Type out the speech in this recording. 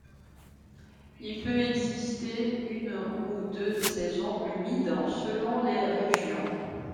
Il peut exister une ou deux saisons humides selon les régions.